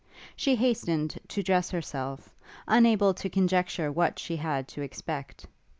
She hastened to dress herself, unable to conjecture what she had to expect.